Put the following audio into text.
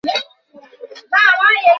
রুকমিনি, তুমিও বুঝার চেষ্টা করো।